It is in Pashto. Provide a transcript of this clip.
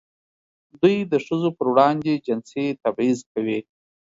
دوی د ښځو پر وړاندې جنسي تبعیض کوي.